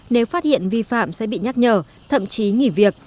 nếu phát hiện vi phạm sẽ bị nhắc nhở thậm chí nghỉ việc